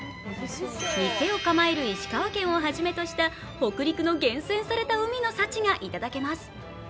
店を構える石川県をはじめとした北陸の厳選された海の幸がいただけます。